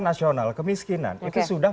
nasional kemiskinan itu sudah